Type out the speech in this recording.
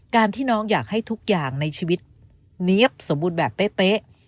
ที่น้องอยากให้ทุกอย่างในชีวิตเนี๊ยบสมบูรณ์แบบเป๊ะ